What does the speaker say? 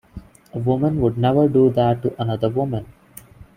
A woman would never do that to another woman.